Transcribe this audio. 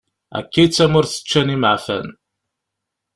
Akka i d tamurt ččan imeɛfan.